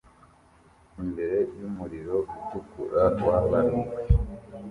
imbere yumuriro utukura wabaruwe